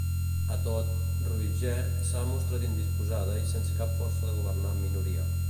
A tot, Roigè s'ha mostrat indisposada i sense cap força de governar amb minoria.